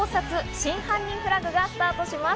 真犯人フラグがスタートします。